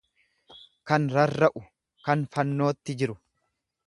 kan rarra'u, kan fannootti jiru.